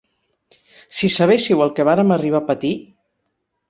Si sabéssiu el què vàrem arribar a patir